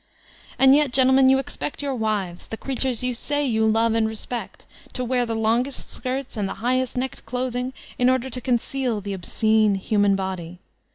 And yet, gentlemen, you expect your wives, the creatures you say you respect and love, to wear the longest skirts and the highest necked clothing, in order to conceal the obscene kumam body.